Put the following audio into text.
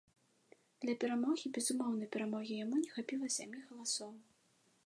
Для перамогі безумоўнай перамогі яму не хапіла сямі галасоў.